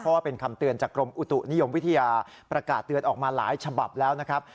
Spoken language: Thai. เพราะว่าเป็นคำเตือนจากกรมอุตุนิยมวิทยาประกาศเตือนออกมาหลายฉบับแล้วนะครับ